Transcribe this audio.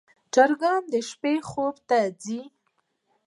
چرګان د شپې خوب ته ځي.